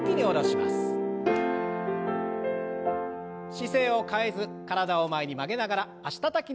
姿勢を変えず体を前に曲げながら脚たたきの運動を。